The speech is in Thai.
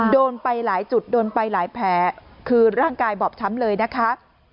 โดนไปหลายจุดโดนไปหลายแผลคือร่างกายบอบช้ำเลยนะคะ